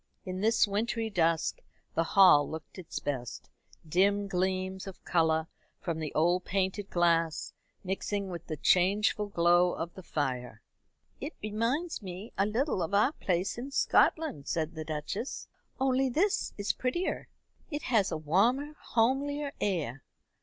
In this wintry dusk the hall looked its best, dim gleams of colour from the old painted glass mixing with the changeful glow of the fire. "It reminds me a little of our place in Scotland," said the Duchess, "only this is prettier. It has a warmer homelier air.